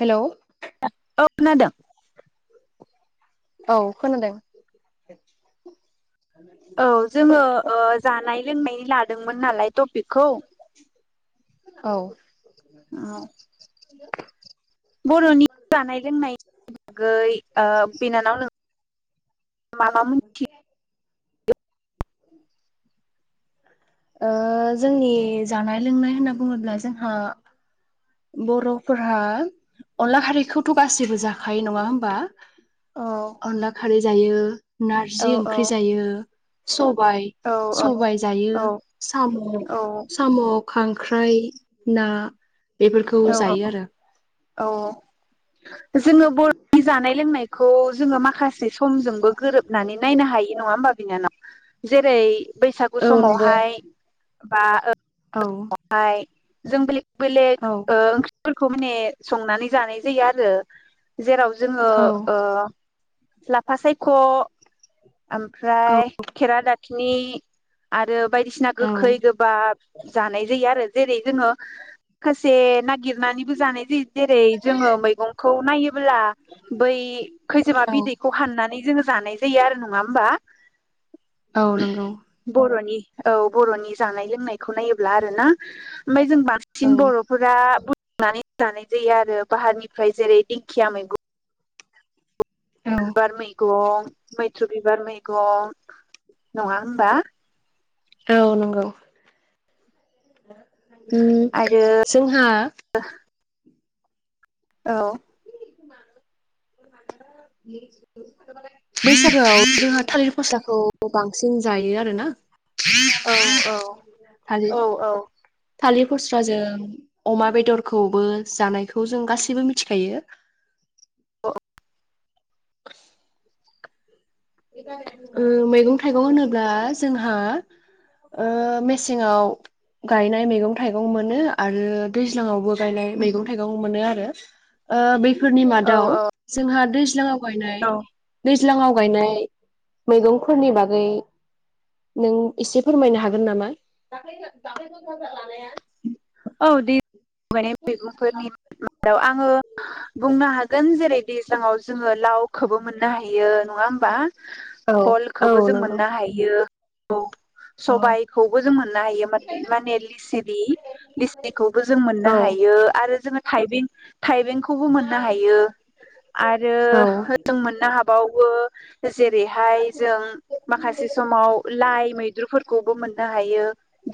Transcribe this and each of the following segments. Hello औ खोनादों औ खोनादों औ जोङो ओ जानाय लोंनाय लादोंमोन नालाय बेखौ औ औ बरनि जानाय लोंनायनि गै बिनानावनो माबा मोनथियो जोंनि जानाय लोंनाय होनना बुङोब्ला जोंहा बरफोराहा अनला हारिखौथ गासैबो जाखायो नङा हबा? औ अनला खारि जायो औ नारजि ओंख्रि जायो। स सबाय औ सबाय जायो औ साम औ साम खांख्राइ ना बेफोरखौ जायो आरो औ औ जोङो बरनि जानाय लोंनाय खौ जोङो माखासे समजोंबो गोरोबनानै नायनो हायो। नङा होमबा बिनानाव जेरै बैसागु औ नंगौ समावहाय बा औ ओं हाय जों बेलेग बेलेग औ ओंख्रिफोरखौ माने संनानै जानाय जायो आरो जेराव जोङो औ ओ लाफा सायख औ ओमफ्राय खेरा दाखिनि आरो बायदिसिना गोखै औ गोबाब जानाय जायो आरो जेरै जोङो माखासे नागिर नानैबो जानाय जायो जेरै जोङो मैंगंखौ नायो ब्ला बै खैजोमा औ बिदैखौ हाननानै जोङो जानाय जायो आरो नं नङा होमबा? औ नंगौ [inaudible] बरनि औ बरनि जानाय लोंनायखौ नायोब्ला आरो ना। ओमफाय जों बांसिन औ बर'फोरा बु नानै जानाय जायो आरो‌। बाहारनिफ्राय जेरै दिंखिया मैगं औ बिबार मैगं मैथ्रु बिबार मैगं, नङा होमबा? औ नंगौ। [inaudible] उम आरो जोंहा औ। [unintelligible] बैसागोआव जोंहा थालिर फस्ला खौ बांसिन जायो आरोना। औ औ थालिर औ औ। थालिर फस्राजों अमा बेदरखौबो जानायखौ जों गासैबो मिथिखायो। औ [inaudible] उम मैगं थाइगं होनोब्ला जोंहा ओ मेसेङाव गायनाय मैगं थाइगं मोनो आरो दैज्लाङावबो गायनाय मैगं थाइगं मोनो आरो। ओ बै फोरनि औ मादाव जोंहा दैज्लाङाव गायनाय ज्लांआव गायनाय मैगंफोरनि बागै नों इसे फोरमायनो हागोन नामा? औ दै गायनाय मैगंफोरनि मादाव आङो बुंनो हागोन जेरै दैज्लांआव जोङो लावखोबो मोननो हायो नङा होमबा? औ औ भलखोबो जों नंगौ मोननो हायो। औ। औ सबाइखौबो जों मोननो हायो माने लिसिरि। खौबो जों मोननो औ हायो। आरो जों थायबें थायबें खौबो मोननो हायो आरो औ हो जों मोननो हाबाव बो जेरैहाय जों माखासे समाव लाइ मै द्रुफोरखौबो मोननो हायो।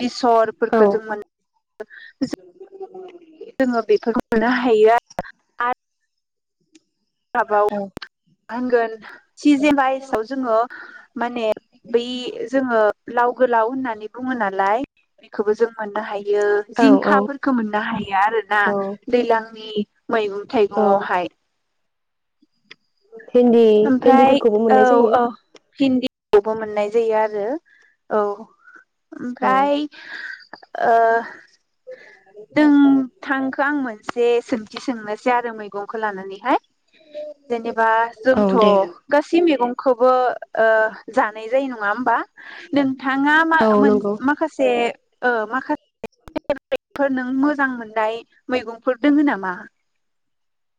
बिसरफोरखो जों मोन [inaudible] जोङो बेफोरखौ मोननो हायो आरो आ आरोबाव औ मा होनगोन सिजेन वाइसआव जोङो माने बै जोङो लाव गोलाव होननानै बुङो नालाय बेखौबो जों मोननो हाय बियो औ जिंखाफोरखौ मोननो हायो आरो ना औ दैलांनि मैगं औ थाइगंवहाय भिन्दि-भिन्दिफोरखौबो मोननाय जायो खौबो मोननाय जायो आरो औ औ ओमफ्राय ओ दों थांखो आं मोनसे सोंथि सोंनोसै आरो मैगंखौ लानानैहाय जेनेबा जों औ थ गसि मेगं खौबो ओ जानाय जायो नङा होमबा नोंथाङा म मोन नंगौ माखासे ओ माखासे फोर नों मोजां मोननाय मैगंफोर दङ नामा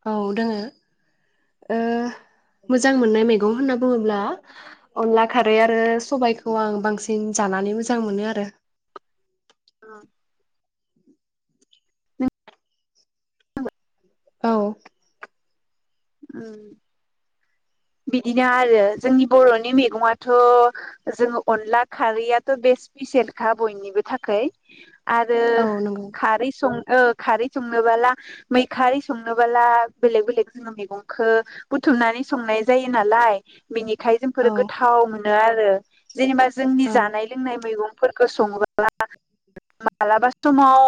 औ दोङो ओ मोजां मोनो मैगं होनना बुङोब्ला अनला खारै आरो सबायाइखौ आं बांसिन जानानै मोजां मोनो आरो औ औ उम बिदिनो आरो जोंनि बरनि मैगङाथ जोङो अनला खारैयाथ बेस स्पिसियेलखा बयनिबो थाखाय आरो औ नंगौ खारै सं ओ खारै संनोबोला मैखारै संनोबोला बेलेग बेलेग जोङो मैगंखो बुथुमनानै संनाय जायो नालाय बेनिखाय औ जोंफोरो गोथाव मोन मोनोआरो जेनेबा जोंनि औ जानाय लोंनाय मैगं फोरखो सङोब्ला मालाबा समाव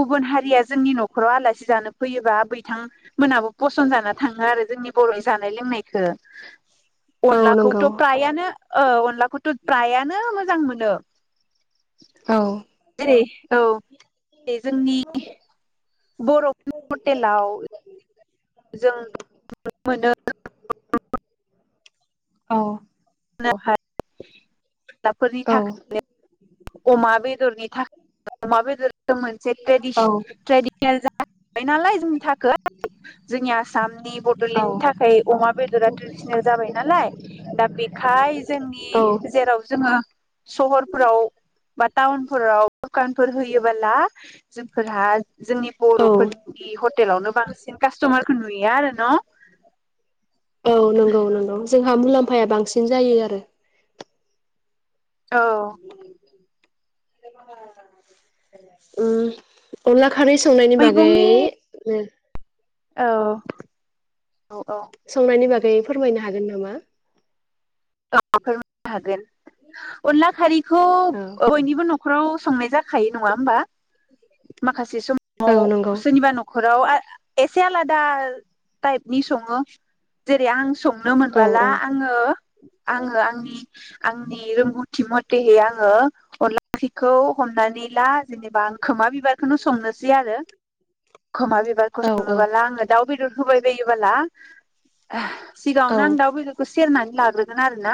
गुबुन हारिया जोंनि न खराव आलासि जानो फैयोबा बिथांमोनाबो फसन जाना थाङो आरो जोंनि बर नि जानाय लोंनायखो औ अनलाखौथ नंगौ फ्रायानो ओ अनलाखौथ फ्रायानो मोजां मोनो औ जेरै औ एसे जोंनि बर'फोरनि हटेलाव जों मोनो [unintelligible] औ [inaudible] साफोरनि औ थाखायनो अमा बेदरनि थाखाय अमा बेदर मोनसे ट्रेदिस औ ट्रदिसनेल [inaudible] नालाय जोंथार [inaudible] जोंनि आसामनि बडलेण्डनि थाखाय अमा बेदरा ट्रेडिसनेल जाबाय नालाय दा बेखाय जोंनि औ जेराव जोङो सहरफोराव बा टाउनफोराव दुखानफोर होयोब्ला जोंफोरहा जोंनि औ बर'फोरनि हटेलावनो बांसिन कास्टमारखौ नुया आरो न औ नंगौ नंगौ जोंहा मुलाम्फाया बांसिन जायो आरो [unintelligible] औ उम अनला खारै संनायनि बागै मैगंनि उम औ औ संनायनि बागै बे फोरमायनो हागोन नामा? [unintelligible] फोरमायनो हागोन अनला खारि खौ औ बयनिबो न नखराव संनाय जाखायो नङा होमबा माखासे, से समाव औ नंगौ सोरनिबा नखराव एसे आलादा थाइपनि सङो जेरै आं सं नुनो औ मोनबाला औ आङो आङो आंनि आंनि रोंगौथि मथेहै आङो अनला ओंख्रिखौ हमनानै ला जेनेबा आं खोमा बिबारखौनो संनोसै आरो खोमा बिबारखौ औ औ संङोबोला आङो दाउ बि होबाय बायोबोला आह सिगाङावनो औ आं दाउ बेदरखौ सेरनानै लाग्रोगोन आरो ना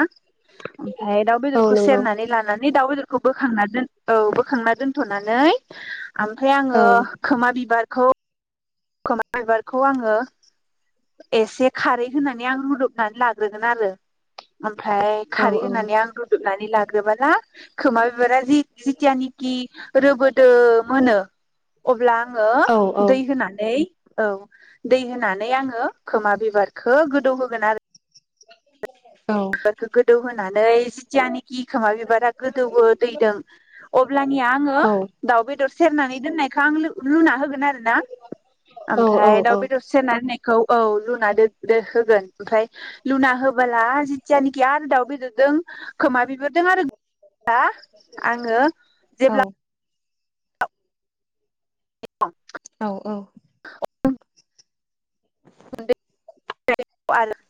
ओमफाय दाउ औ बेदरखौ नंगौ सेरनानै लानान बि दाउ बेदरखौ बोखांना दोन औ बोखांना दोनथनानै ओमफाय औ आङो खोमा बिबार खौ खोमा बिबारखौ आङो एसे खारै होनानै आं रुदबनानै लाग ग्रोगोन आरो ओमफ्राय औ खारै होनानै आं रुदबनानै लाग्रोबा ना खोमा। बेरारि जिथिया निखि रोबोद। दो मोनो अब्ला आङो औ दै औ होनानै औ। दै होनानै आङो। खोमा बिबारखो गोदौ होगोन आरो [inaudible] औ [unintelligible] गोदौ नानै जिथिया नि गि खोमा बिबारा गोदौबो दैदों अब्लानिया आङो औ दाउ बेदर सेरनानै दोननायखो आं लु लुना होगोन। आरो ना औ औ ओमफाय दाउ बेदर सेरना होनाय खौ औ लुना दोन दो हो। गोन ओमफाय लुना होबोला गियान दाउ बेदरदों। खोमा बिबोदों आरो आ आङो जेब्ला औ औ। [unintelligible]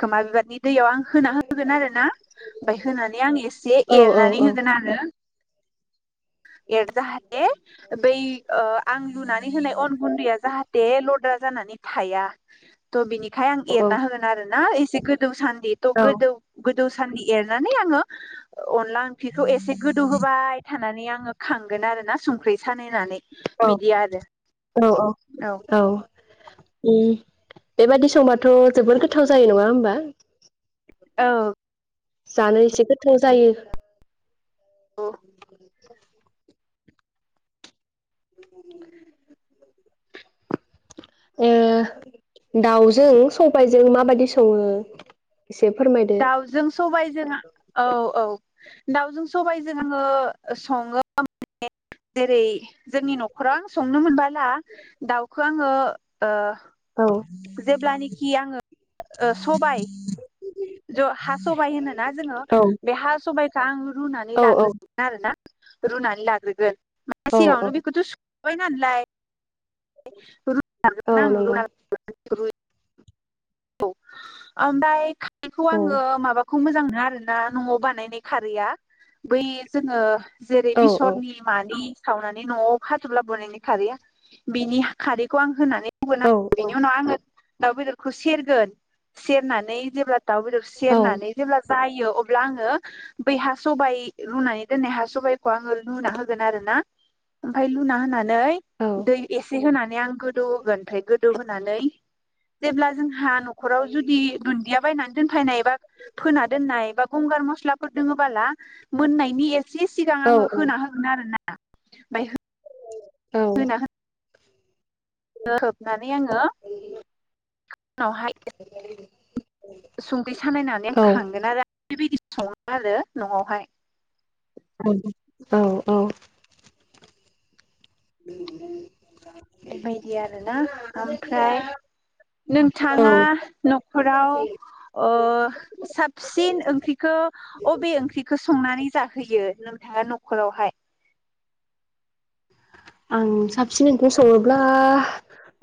खोमा बिबारनि दैयाव आं होना होगोन आरो ना ओमफाय होनानै आं एसे एरनानै औ होगोन आरो। एर जाहाथे बै ओ आं लुनानै होनाय अन गुन्दैया जाहा दे लद्रा जानानै थाया। थ' बिनि खाय आं एरना होगोन आरो ना गोदौसान बेथ गोदौ गोद दौ सानदि एरनानै आङो अनला ओंख्रिखौ एसे गोदौ होबाय थानानै आं ङो खांगोन आरोना संख्रि सालिनानै औ औ औ आरो औ। ओ बेबादि संबाथ' जोबद गोथाव जायो नङा होमबा औ। जानो एसे गोथाव जायो। ब औ [inaudible] [inaudible] [inaudible] ओ दाउजों सबाइजों माबायदि सङो? एसे फोरमायदो दाउजों सबाय जों औ औ दाउजों सबायजों आङो सङो जेरै जोंनि नखराव आं संनो मोनबाला दाउखौ आङो ओ औ जेब्लानिखि आङो ओ सबाय ज हा सबाइ होनोना जोङो औ बे हा सबाइ सां रुनानै औ लाग्रो आरोना रुनानै लाग्रोगोन औ औ [unintelligible] ओइ मा ओनलाय रु औ [unintelligible] नंगौ रुम। औ आमबाय बेखौ औ आङो माबा खौ मोजां मोनो आरोना न'आव बानायनाय खारैआ बै जोङो जेरै औ औ बिसरनि मानि सावनानै न'आव खाथुबलाबोनायनि खारैया बिनि खारैखौ आं होनानै हगोन औ आरोना बिनि उनाव आङो दाउ बेदरखौ खुसेर दोन सेरनानै जेब्ला दाउ बेदर औ सेरनानै जेब्ला जायो अब्ला आङो बै हा सबाइ रुनानै दोननाय हा सबाइखौ आङो लुना होगोन आरोना ओमफाय लुना होनानै नै औ दै एसे होनानै गोदौ होगोन गोदौहोनानै जेब्ला जों हा नखराव जुदि दुदिया बायनानै दोनफैनाय बा फोना दोनाय बा गंगार मास्लाफोर दङबोला मोननायनि ए से सिगां औ आङो होना होगोन आरो ना ओफाय। औ होनाहो हो-होबनानै आङो उनावहाय। [inaudible] संख्रि सानायनानै आं खांगोन आरो। बेबायदि सङो आरो नआवहाय। औ औ औ। [unintelligible] बेबायदि आरो ना ओमफ्राय औ नोंथाङा न'खराव ओ साबसिन ओंख्रिखौ अबे ओंख्रिखौ संनानै। जाहोयो नोंथाङा नखरावहाय। आं साबसिन ओंख्रि सङोब्ला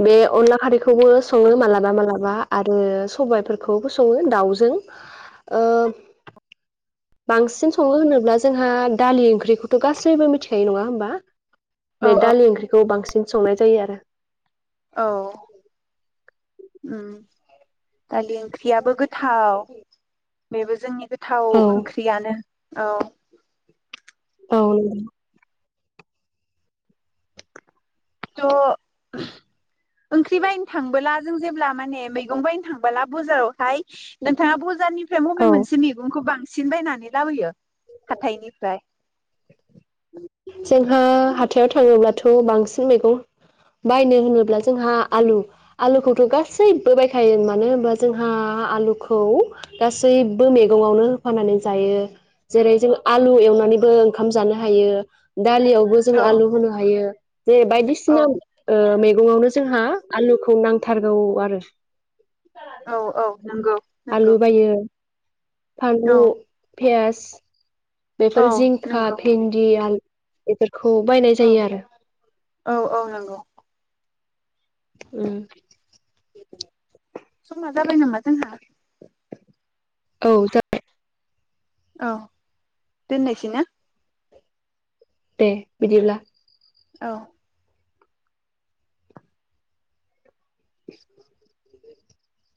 बे अनला खारैखौबो सङो मालाबा मालाबा आरो सबायफोरखौबो सङो दाउजों ओ। बांसिन सङो होनोब्ला जोंहा दालि ओंख्रिखौथ गासैबो मिथिखायो नङा होमबा। औ बे औ दालि ओंख्रिखौ बांसिन। बि संनाय जायो आरो। [inaudible] औ उम दलि ओं-। ख्रि याबो गोथाव। बेबो जोंनि गो- थाव औ ओंख्रियानो औ। औ [unintelligible] ज। ओंख्रि बायनो थांबोला जों जेब्ला मान- मैगं बायनो थांला बजारावहाय नोंथाङा बजारनिफ्रा- मबे औ मोनसे मैगंखौ बांसिन। सिन बायनानै लाबोयो। हाथायनिफ्राय। जोंहा हाथायाव थाङोब्लाथ बांसिन मैगं बायनो होनोब्ला जोंहा आलु आलुखौथ गासैबो बायखायो मानो होनबा जोंहा आलुखौ गासैबो मैगङावनो होफनानै जायो जेरै जों आलु एवनानैबो ओंखाम जानो। हायो दालियावबो जों औ आलु होनो हायो। जे औ बायदिसिना ओ मै- वनो जोंहा आलुखौ नांथारगौ आरो। औ औ। नंगौ नंगौ आलु बायो। फानलु। औ फियास। औ बेफोर जिंखा नंगौ भिन्दि आलु। इफोर। खौ बायनाय औ जायो आरो औ औ नंगौ उम समा जाबाय नामा जोंहा? औ जाबाय । औ दोननोसै ना? दे बिदिब्ला । औ [unintelligible] [unintelligible]